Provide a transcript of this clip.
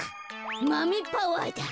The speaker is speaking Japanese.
マメパワーだ。